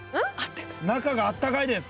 中があったかいです。